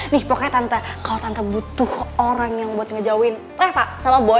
nih pokoknya tante kalo tante butuh orang yang buat ngejauhin reva sama boy